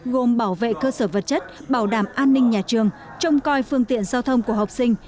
gồm bảo vệ cơ sở vật chất bảo đảm an ninh nhà trường trông coi phương tiện giao thông của học sinh